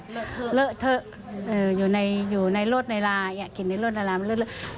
เหลือเถอะอยู่ในรถในราอย่างเนี้ยขินในรถในรามันเหลือเถอะ